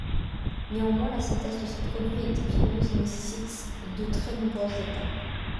Néanmoins, la synthèse de ce produit est épineuse et nécessite de très nombreuses étapes.